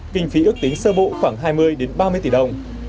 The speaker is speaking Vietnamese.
kinh phí ước tính sơ bộ khoảng hai mươi ba mươi tỷ đồng